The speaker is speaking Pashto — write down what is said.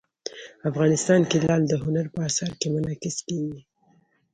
افغانستان کې لعل د هنر په اثار کې منعکس کېږي.